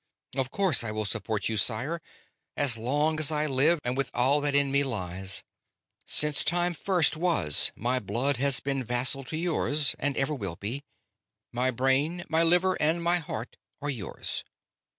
"Of course I will support you, sire, as long as I live and with all that in me lies. Since time first was my blood has been vassal to yours, and ever will be. My brain, my liver, and my heart are yours."